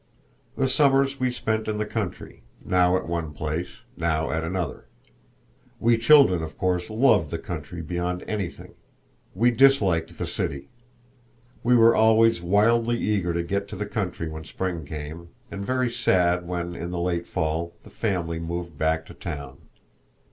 The summers we spent in the country, now at one place, now at another. We children, of course, loved the country beyond anything. We disliked the city. We were always wildly eager to get to the country when spring came, and very sad when in the late fall the family moved back to town.